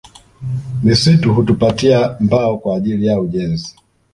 Misitu hutupatia mbao kwaajili ya ujenzi